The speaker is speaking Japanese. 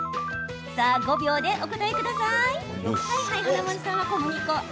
５秒でお答えください。